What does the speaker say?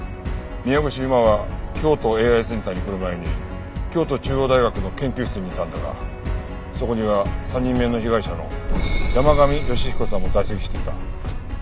宮越優真は京都ＡＩセンターに来る前に京都中央大学の研究室にいたんだがそこには３人目の被害者の山神芳彦さんも在籍していた。